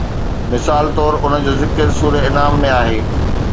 مثال طور ان جو ذڪر سوره انعام ۾ آهي